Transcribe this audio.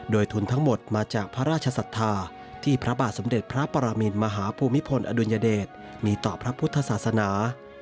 โดยทุนทั้งหมดมาจากพระราชศรัทธาที่พระบาทสมเด็จพระปรมินมหาภูมิพลอดุลยเดชมีต่อพระพุทธศาสนา